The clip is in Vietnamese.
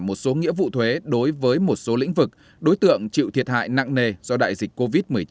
một số nghĩa vụ thuế đối với một số lĩnh vực đối tượng chịu thiệt hại nặng nề do đại dịch covid một mươi chín